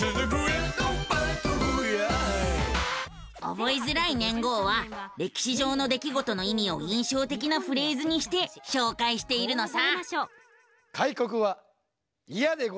覚えづらい年号は歴史上の出来事の意味を印象的なフレーズにして紹介しているのさ。